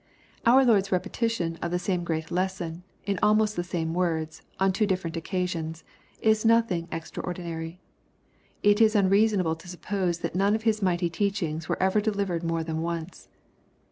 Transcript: Our Lord's repetition of the same great lesson, in almost the same words, on two different occasions, is nothing ex traordinary. It is unreasonable to suppose that none of His mighty teachings were ever delivered more than once.